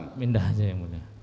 tidak memindah saja yang mulia